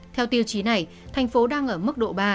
theo tiêu chí này tp hcm đang ở mức độ ba